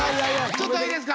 ちょっといいですか？